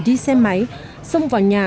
đi xe máy xông vào nhà